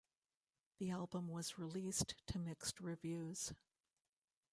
The album was released to mixed reviews.